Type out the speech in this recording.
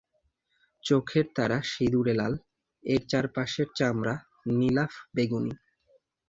চোখের তারা সিঁদুরে-লাল, এর চারপাশের চামড়া নীলাভ-বেগুনি।